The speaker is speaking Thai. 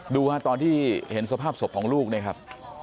ดูฮะตอนที่เห็นสภาพศพของลูกเนี่ยครับ